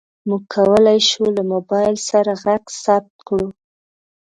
موږ کولی شو له موبایل سره غږ ثبت کړو.